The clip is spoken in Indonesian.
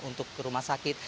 untuk ke rumah sakit